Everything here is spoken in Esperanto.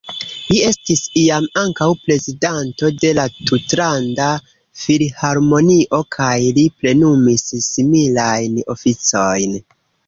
Li estis iam ankaŭ prezidanto de la Tutlanda Filharmonio kaj li plenumis similajn oficojn.